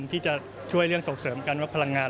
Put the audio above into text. ที่จะช่วยเรื่องส่งเสริมการวัดพลังงาน